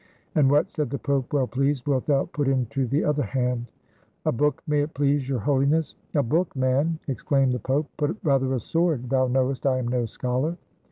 "And what," said the Pope, well pleased, "wilt thou put into the other hand?" "A book, may it please Your Holiness." "A book, man!" exclaimed the Pope; "put rather a sword; thou knowest I am no scholar."